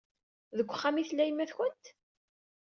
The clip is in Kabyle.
Deg uxxam ay tella yemma-twent?